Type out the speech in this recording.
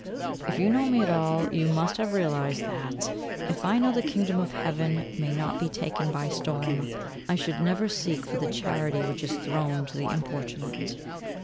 If you know me at all, you must have realised that, if I know the Kingdom of Heaven may not be taken by storm, I should never seek for the charity which is thrown to the importunate.